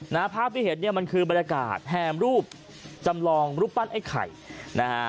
ภาพที่เห็นเนี่ยมันคือบรรยากาศแห่มรูปจำลองรูปปั้นไอ้ไข่นะฮะ